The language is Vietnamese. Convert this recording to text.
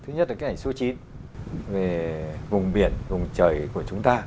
thứ nhất là cái ảnh số chín về vùng biển vùng trời của chúng ta